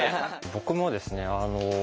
僕もですね